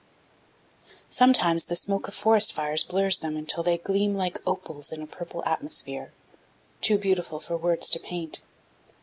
Sometimes the smoke of forest fires blurs them until they gleam like opals in a purple atmosphere, too beautiful for words to paint.